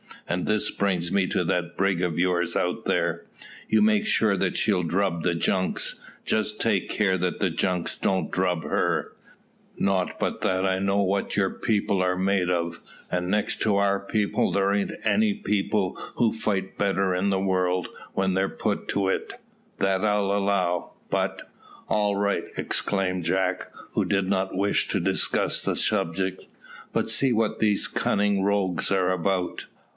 And this brings me to that brig of yours out there. You make sure that she'll drub the junks. Just take care that the junks don't drub her; not but that I know what your people are made of, and next to our people there ain't any people who fight better in the world when they're put to it, that I'll allow, but " "All right," exclaimed Jack, who did not wish to discuss the subject. "But see what these cunning rogues are about."